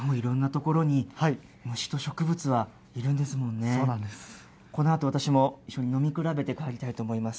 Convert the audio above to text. このあと私も、一緒に飲み比べて帰りたいと思います。